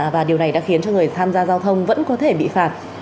và điều này đã khiến cho người tham gia giao thông vẫn có thể bị phạt